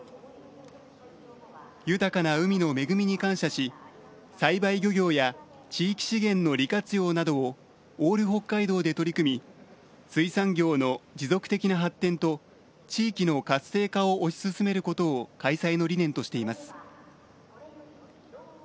豊かな海の恵みに感謝し栽培漁業や地域資源の利活用などをオール北海道で取り組み水産業の持続的な発展と地域の活性化を推し進めることを開催の理念としています。